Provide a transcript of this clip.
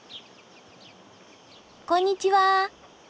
こんにちは！